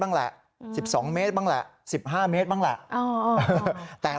บ้างแหละสิบสองเมตรบ้างแหละสิบห้าเมตรบ้างแหละอ๋อแต่